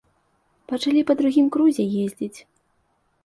Пачалі па другім крузе ездзіць.